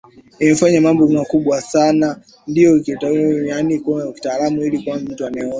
imefanya mambo makubwa sana ndio tunataka kuyaanisha kwenye kitabu ili kila mtu ayaone